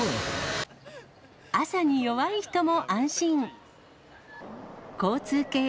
朝に弱い人も安心。